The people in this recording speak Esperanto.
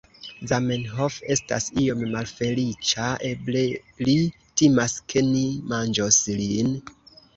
Zamenhof estas iom malfeliĉa eble li timas, ke ni manĝos lin